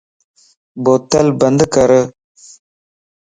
بوتل بند ڪر